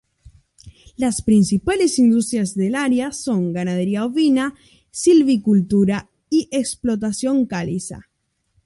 Las principales industrias del área son ganadería ovina, silvicultura, y explotación de caliza.